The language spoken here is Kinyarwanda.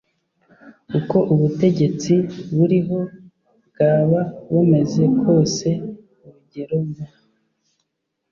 uko ubutegetsi buriho bwaba bumeze kose urugero mu